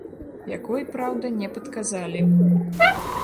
Якой, праўда, не падказалі.